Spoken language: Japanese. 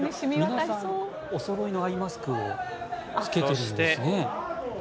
皆さんおそろいのアイマスクを着けてるんですね。